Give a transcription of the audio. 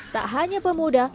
tak hanya pemuda